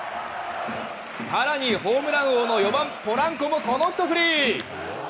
更にホームラン王の４番、ポランコもこのひと振り。